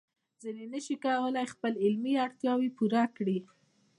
ځینې نشي کولای خپل علمي اړتیاوې پوره کړي.